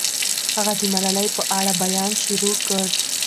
هغه د ملالۍ په اړه بیان شروع کړ.